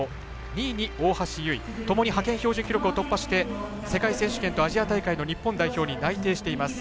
２位に大橋悠依ともに派遣標準記録を突破して世界選手権とアジア大会の日本代表に内定しています。